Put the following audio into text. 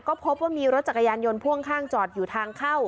ก็พบว่ามีรถจักรยานยนต์พ่วงข้างจอดอยู่ทางเข้า